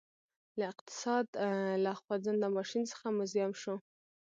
له اقتصاد له خوځنده ماشین څخه موزیم شو